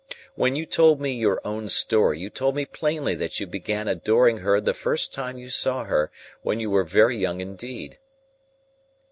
When you told me your own story, you told me plainly that you began adoring her the first time you saw her, when you were very young indeed."